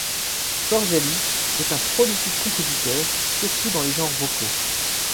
Corselli est un prolifique compositeur, surtout dans les genres vocaux.